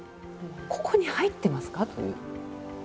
「ここに入ってますか？」という。